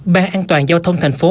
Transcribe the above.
ban an toàn giao thông thành phố